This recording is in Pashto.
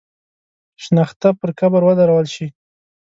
شنخته پر قبر ودرول شي.